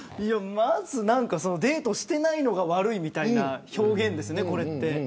まずデートしていないのが悪いという表現ですよね、これって。